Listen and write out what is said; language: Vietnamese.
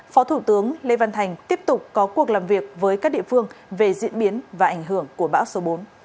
phó thủ tướng lê văn thành tiếp tục có cuộc làm việc với các địa phương về diễn biến và ảnh hưởng của bão số bốn